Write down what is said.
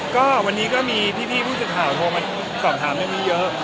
ก็วันนี้ก็มีพี่ผู้จัดข่าวโทรมาสอบถามกันไม่มีเยอะ